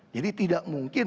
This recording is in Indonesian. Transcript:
jadi tidak mungkin